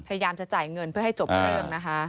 พยายามจะจ่ายเงินเพื่อให้จบเรื่องนะคะ